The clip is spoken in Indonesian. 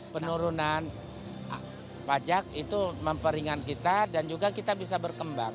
penurunan pajak itu memperingan kita dan juga kita bisa berkembang